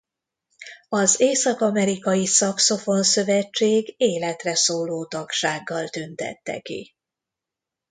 Az észak-amerikai szaxofon szövetség életre szóló tagsággal tüntette ki.